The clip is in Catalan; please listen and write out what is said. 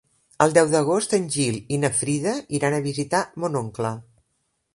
El deu d'agost en Gil i na Frida iran a visitar mon oncle.